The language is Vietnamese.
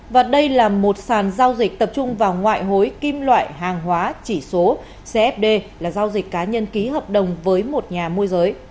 và đây là một sàn giao dịch tập trung vào ngoại hối kim loại hàng hóa chỉ số cfd là giao dịch cá nhân ký hợp đồng với một nhà môi giới